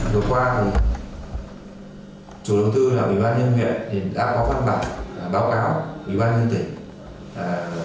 vừa qua chủ đầu tư là ủy ban nhân huyện thì đã có văn bản báo cáo ủy ban nhân tỉnh